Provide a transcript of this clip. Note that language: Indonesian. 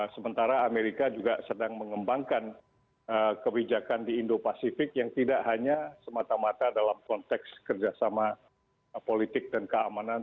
sementara amerika juga sedang mengembangkan kebijakan di indo pasifik yang tidak hanya semata mata dalam konteks kerjasama politik dan keamanan